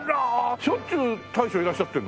しょっちゅう大将いらっしゃってるの？